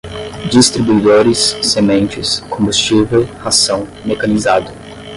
distribuidores, sementes, combustível, ração, mecanizado